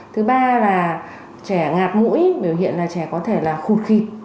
thứ ba là trẻ ngạp mũi biểu hiện là trẻ có thể là khụt khịt